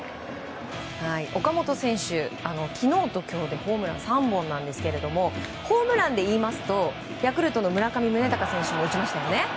岡本選手、昨日と今日でホームラン３本なんですけれどもホームランでいいますとヤクルトの村上宗隆選手も打ちましたよね。